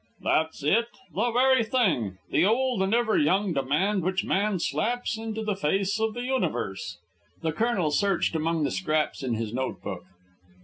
"That's it! The very thing the old and ever young demand which man slaps into the face of the universe." The colonel searched among the scraps in his note book.